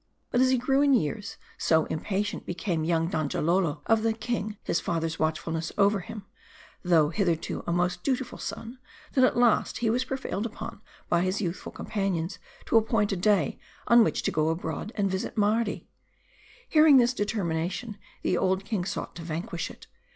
But as he grew in years, x so impatient became young Donjalolo of the king his father's watchfulness over him, though hitherto a most dutiful son, that at last he was prevailed upon by his youthful companions to appoint a day, on which to go abroad, and visit Mardi. Hearing this de termination, the old king sought to vanquish it.